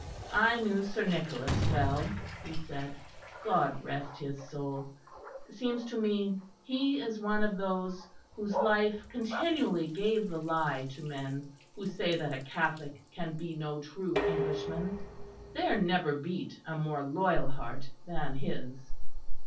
"I knew Sir Nicholas well," he said, "God rest his soul. It seems to me he is one of those whose life continually gave the lie to men who say that a Catholic can be no true Englishman. There never beat a more loyal heart than his."